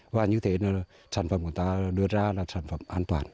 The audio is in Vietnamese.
và như thế là sản phẩm của ta đưa ra là sản phẩm an toàn